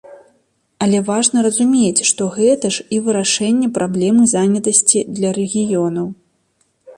Але важна разумець, што гэта ж і вырашэнне праблемы занятасці для рэгіёнаў.